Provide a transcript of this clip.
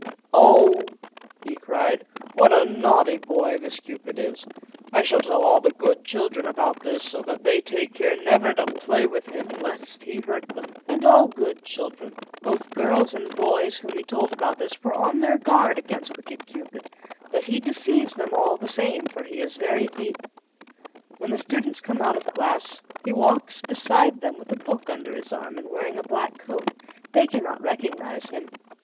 "Oh!" he cried, "what a naughty boy this Cupid is! I shall tell all the good children about this, so that they take care never to play with him, lest he hurt them." And all good children, both girls and boys, whom he told about this, were on their guard against wicked Cupid; but he deceives them all the same, for he is very deep. When the students come out of class, he walks beside them with a book under his arm, and wearing a black coat. They cannot recognize him.